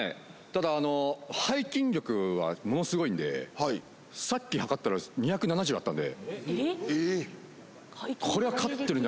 ただあの背筋力はものすごいんでさっき測ったら２７０あったんでえっ？